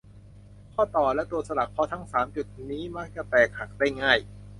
ข้อต่อ และตัวสลัก เพราะทั้ง สาม จุดนี้มักจะแตกหักได้ง่าย